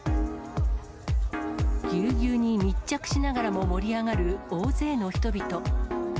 ぎゅうぎゅうに密着しながらも盛り上がる大勢の人々。